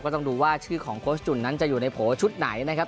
ต้องดูว่าชื่อของโค้ชจุ่นนั้นจะอยู่ในโผล่ชุดไหนนะครับ